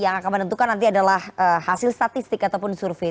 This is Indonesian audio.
yang akan menentukan nanti adalah hasil statistik ataupun survei